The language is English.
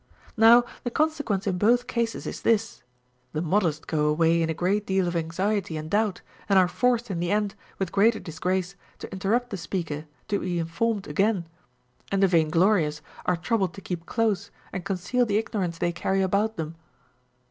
Now the consequence in both cases is tins ; the modest go away in a great deal of anxiety and doubt, and are forced in the end, Λνΐίΐι greater disgrace, to interrupt the speaker to be informed again ; and the vain glorious are troubled to keep close and conceal the ignorance they carry about them.